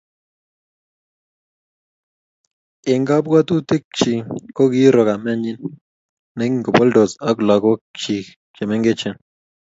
Eng kabwatutikchi kokiiro kamenyi ne kiboldos ak lagokchi chemengech